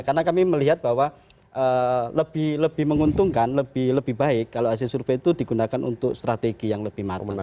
karena kami melihat bahwa lebih menguntungkan lebih baik kalau hasil survei itu digunakan untuk strategi yang lebih matang